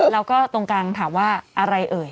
แล้วก็ตรงกลางถามว่าอะไรเอ่ย